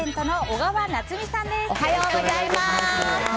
おはようございます。